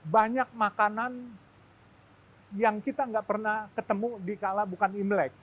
banyak makanan yang kita nggak pernah ketemu dikala bukan imlek